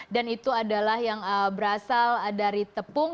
dan itu adalah yang berasal dari tepung